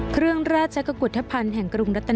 เครื่องราชกุธภัณฑ์แห่งกรุงรัฐ